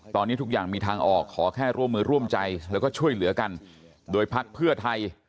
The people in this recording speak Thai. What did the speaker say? ตอนนี้ทุกอย่างมีทางออกขอแค่ร่วมมือร่วมใจแล้วก็ช่วยเหลือกันโดยพักเพื่อไทย